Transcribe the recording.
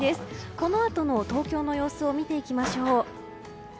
このあとの東京の様子を見ていきましょう。